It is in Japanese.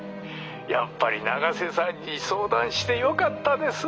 やっぱり永瀬さんに相談してよかったです。